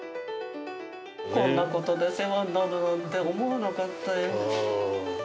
こんなことで世話になるなんて思わなかったよ。